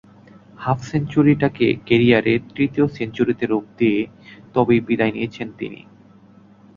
Half সেঞ্চুরিটাকে ক্যারিয়ারের তৃতীয় সেঞ্চুরিতে রূপ দিয়ে তবেই বিদায় নিয়েছেন তিনি।